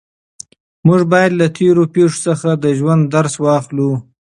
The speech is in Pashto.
موږ باید له تېرو پېښو څخه د ژوند درس واخلو.